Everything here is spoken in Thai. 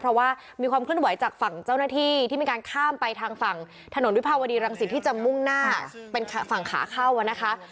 เพราะว่ามีความเคลื่อนไหวจากฝั่งเจ้าหน้าที่ที่มีการข้ามไปทางฝั่งถนนวิภาวดีรังสิตที่จะมุ่งหน้าเป็นฝั่งขาเข้านะคะ